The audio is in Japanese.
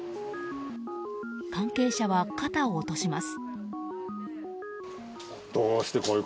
関係者は、肩を落とします。